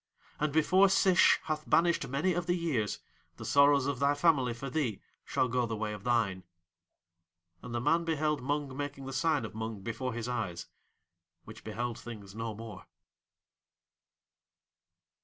And before Sish hath banished many of the years the sorrows of thy family for thee shall go the way of thine." And the man beheld Mung making the sign of Mung before his eyes, which beheld things no more.